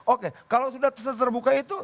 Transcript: oke kalau sudah seterbuka itu